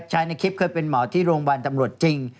ในคลิปเคยเป็นหมอที่โรงพยาบาลตำรวจจริง